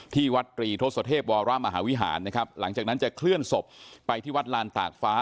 ที่วัดตรีทศเทพวรมหาวิหารนะครับหลังจากนั้นจะเคลื่อนศพไปที่วัดลานตากฟ้า